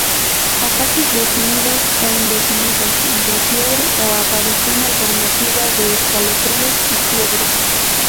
Ataques definidos o indefinidos de fiebre, o aparición alternativa de escalofríos y fiebre.